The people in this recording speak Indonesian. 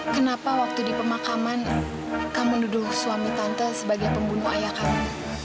kenapa waktu di pemakaman kamu duduk suami tante sebagai pembunuh ayah kami